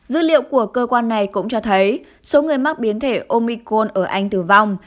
dữ liệu của cơ quan này cũng cho thấy số người mắc biến thể omicon ở anh tử vong